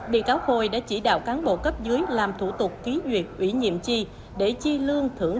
bị cáo khôi đã chỉ đạo cán bộ cấp dưới làm thủ tục ký duyệt ủy nhiệm chi để chi lương thưởng